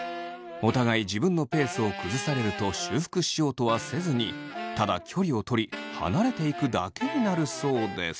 お互い自分のペースを崩されると修復しようとはせずにただ距離をとり離れていくだけになるそうです。